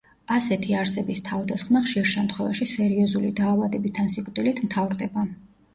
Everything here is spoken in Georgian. ასეთი არსების თავდასხმა, ხშირ შემთვევაში, სერიოზული დაავადებით ან სიკვდილით მთავრდება.